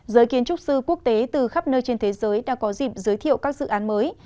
giới kiến trúc sư quốc tế từ khắp nơi trên thế giới đã có dịp giới thiệu các dự án mới